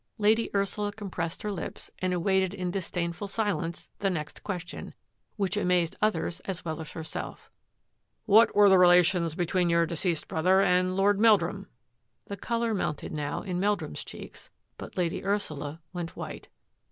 { 178 THAT AFFAIR AT THE MANOR Lady Ursula compressed her lips and awaited in disdainful siknce the next question, which amazed others as well as herself. " What were the relations between your de ceased brother and Lord Meldrum? " The colour mounted now in Meldrum's cheeks, but Lady Ursula went white.